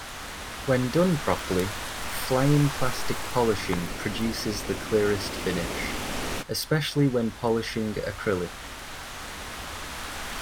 When done properly, flame plastic polishing produces the clearest finish, especially when polishing acrylic.